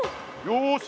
よし！